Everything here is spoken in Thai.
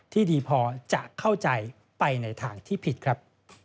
ที่ดีพอจะเข้าใจไปในทางที่ผิดครับ